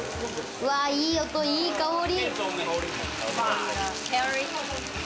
いい音、いい香り。